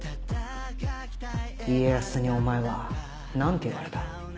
家康にお前は何て言われた？